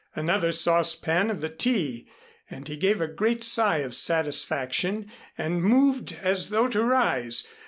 Another saucepan of the tea, and he gave a great sigh of satisfaction and moved as though to rise.